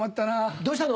どうしたの？